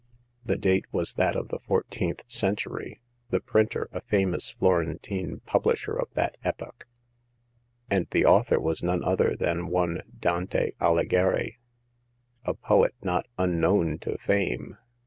The dat^e was that of the fourteenth century, the printer a famous Florentine publisher of that epoch ; and the author was none other than one Dante Alighieri, a poet not unknown to fame.